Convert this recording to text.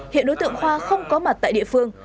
hiện đối tượng khoa không có mặt tại địa phương